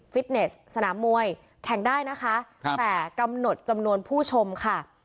เนสสนามมวยแข่งได้นะคะแต่กำหนดจำนวนผู้ชมค่ะ